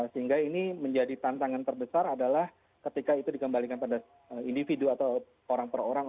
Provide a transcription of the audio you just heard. sehingga ini menjadi tantangan terbesar adalah ketika itu dikembalikan pada individu atau orang per orang